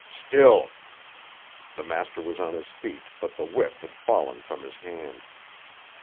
"Still!" The master was on his feet, but the whip had fallen from his hand.